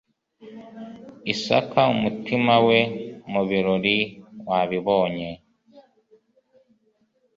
Isaka umutima we mu birori wabibonye